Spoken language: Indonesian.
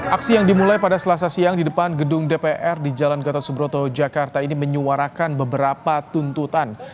aksi yang dimulai pada selasa siang di depan gedung dpr di jalan gatot subroto jakarta ini menyuarakan beberapa tuntutan